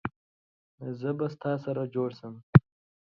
زه به ستا سره جوړ سم